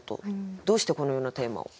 どうしてこのようなテーマを？